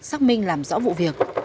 xác minh làm rõ vụ việc